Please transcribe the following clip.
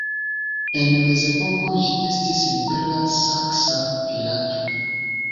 En mezepoko ĝi estis libera saksa vilaĝo.